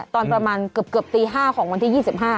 ตอนประมาณเกือบตี๕ของวันที่๒๕